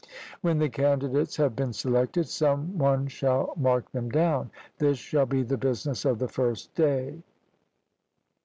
When the candidates have been selected, some one shall mark them down; this shall be the business of the first day.